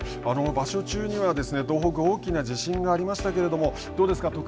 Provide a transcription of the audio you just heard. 場所中には、東北、大きな地震がありましたけれども、どうですか。